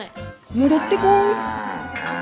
戻ってこーい！